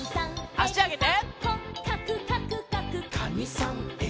あしあげて。